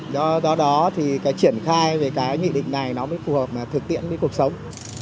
do đó thì cái triển khai về cái nghị định này nó mới phù hợp thực tiễn với cuộc sống